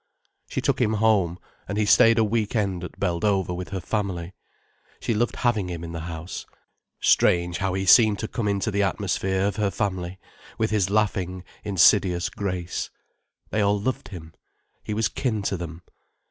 She took him home, and he stayed a week end at Beldover with her family. She loved having him in the house. Strange how he seemed to come into the atmosphere of her family, with his laughing, insidious grace. They all loved him, he was kin to them.